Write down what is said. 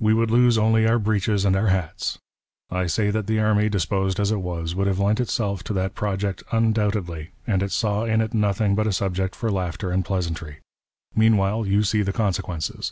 We would '' lose only our breeches and our hats. I say that the army, " disposed as it was, would have lent itself to that project '^ undoubtedly, and it saw in it nothing but a subject for " laughter and pleasantry. Meanwhile you see the consequences.